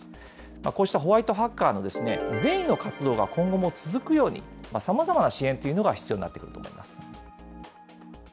こうしたホワイトハッカーの善意の活動が今後も続くように、さまざまな支援というのが必要になっ